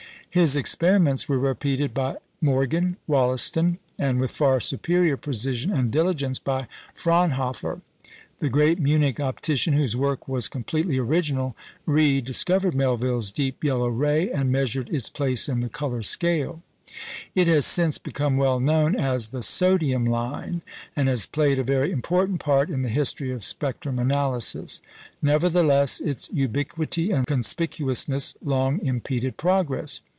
His experiments were repeated by Morgan, Wollaston, and with far superior precision and diligence by Fraunhofer. The great Munich optician, whose work was completely original, rediscovered Melvill's deep yellow ray and measured its place in the colour scale. It has since become well known as the "sodium line," and has played a very important part in the history of spectrum analysis. Nevertheless, its ubiquity and conspicuousness long impeded progress.